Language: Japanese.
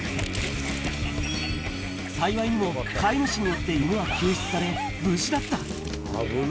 幸いにも、飼い主によって犬は救出され、無事だった。